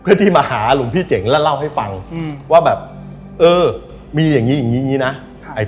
เพื่อที่มาหาหลวงพี่เจ๋งแล้วเล่าให้ฟังว่าแบบเออมีอย่างนี้อย่างนี้นะ